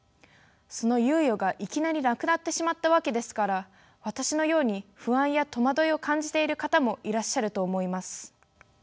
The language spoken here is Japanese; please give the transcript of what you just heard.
その猶予がいきなりなくなってしまったわけですから私のように不安や戸惑いを感じている方もいらっしゃると思います。